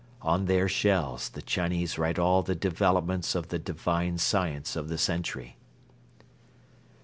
On their shells the Chinese write all the developments of the divine science of the century."